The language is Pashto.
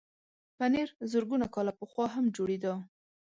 پنېر زرګونه کاله پخوا هم جوړېده.